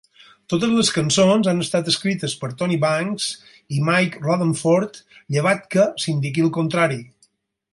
Totes les cançons han estat escrites per Tony Banks i Mike Rutherford, llevat que s'indiqui el contrari.